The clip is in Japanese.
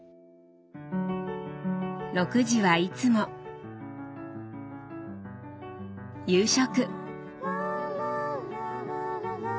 ６時はいつも夕食。